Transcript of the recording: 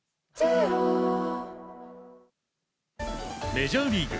メジャーリーグ。